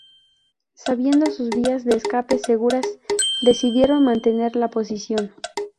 Sabiendo sus vías de escape seguras, decidieron mantener la posición.